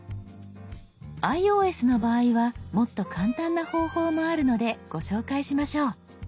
ｉＯＳの場合はもっと簡単な方法もあるのでご紹介しましょう。